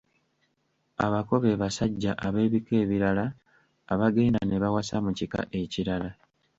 Abako be basajja ab’ebika ebirala abagenda ne bawasa mu kika ekirala.